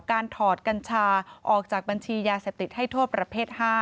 ถอดกัญชาออกจากบัญชียาเสพติดให้โทษประเภท๕